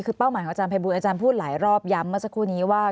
คือเป้าหมายของอาจารย์ภัยบูลอาจารย์พูดหลายรอบย้ำเมื่อสักครู่นี้ว่า